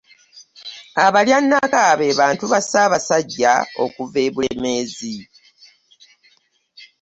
Abalyannaka be bantu ba Ssaabasajja okuva e Bulemeezi.